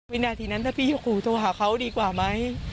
วินาทีนั้นถ้าพี่ขู่โทรหาเขาดีกว่าไหม